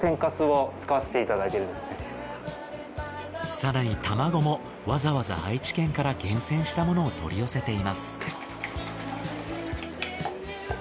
更に卵もわざわざ愛知県から厳選したものを取り寄せています。